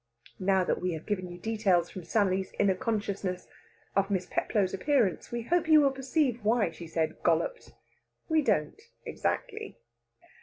Now that we have given you details, from Sally's inner consciousness, of Miss Peplow's appearance, we hope you will perceive why she said she "golloped." We don't, exactly.